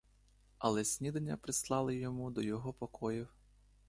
Але снідання прислали йому до його покоїв.